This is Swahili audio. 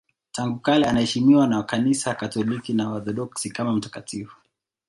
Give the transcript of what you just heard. Tangu kale anaheshimiwa na Kanisa Katoliki na Waorthodoksi kama mtakatifu.